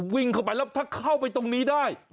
วิ่งเข้าไปแล้วถ้าเข้าไปตรงนี้ได้